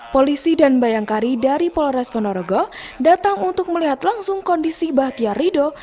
polisi dan bayangkari dari polores ponorogo datang untuk melihat langsung kondisi bahtiar rido